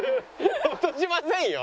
落としませんよ。